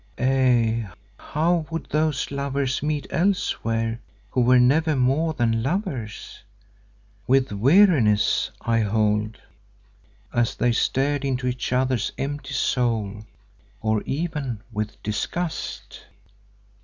Aye, how would those lovers meet elsewhere who were never more than lovers? With weariness, I hold, as they stared into each other's empty soul, or even with disgust.